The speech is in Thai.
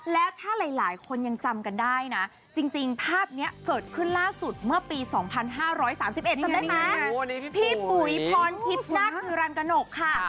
แล้วถ้าหลายคนยังจำกันได้นะจริงภาพนี้เกิดขึ้นล่าสุดเมื่อปี๒๕๓๑จำได้ไหมพี่ปุ๋ยพรทิพย์นาคฮิรันกระหนกค่ะ